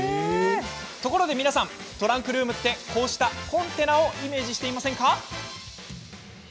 ところで皆さんトランクルームってこうしたコンテナをイメージしてませんか？